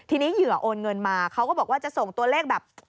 ทีนี้เหยื่อโอนเงินมาเขาก็บอกว่าจะส่งตัวเลขแบบ